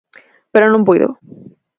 Pero non puido.